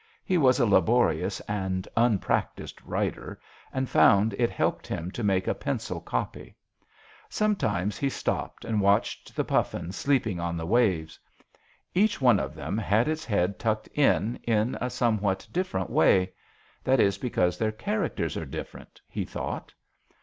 He was a laborious and unpractised writer, and found it helped him to make a pencil copy. Sometimes he stopped and watched the puffin sleeping on the waves. Each one of them had its head tucked in in a somewhat different way. That is because their characters are different," he thought.